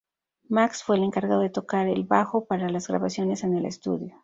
Max fue el encargado de tocar el bajo para las grabaciones en el estudio.